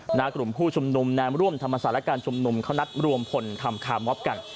หน้ากลุ่มผู้ชุมนุมแนมร่วมธรรมศาสตร์และการชุมนุมเขานัดรวมพลทำคาร์มอฟกัน